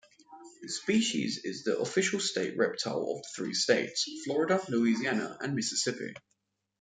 The species is the official state reptile of three states: Florida, Louisiana, and Mississippi.